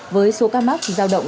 với số ca mắc giao động